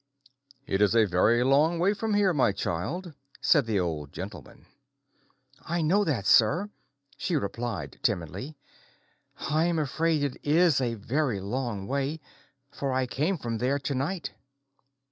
"It is a very long way from here, my child," said the Old Gentleman. "I know that, sir," she replied timidly. "I am afraid it is a very long way, for I came from there to night."